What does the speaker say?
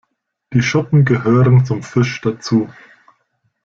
Die Schuppen gehören zum Fisch dazu.